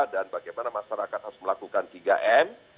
dan bagaimana masyarakat harus melakukan tiga m